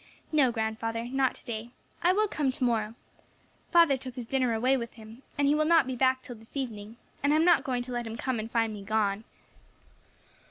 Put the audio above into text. "No, grandfather, not to day; I will come to morrow. Father took his dinner away with him, and he will not be back till this evening, and I am not going to let him come and find me gone."